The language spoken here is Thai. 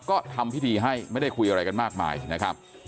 ก็ทำพิธีให้ไม่ได้คุยอะไรกันมากมายนะครับ